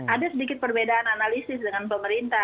ada sedikit perbedaan analisis dengan pemerintah